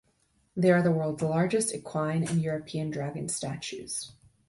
They are the world's largest equine and European dragon statues.